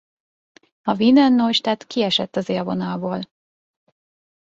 A Wiener Neustadt kiesett az élvonalból.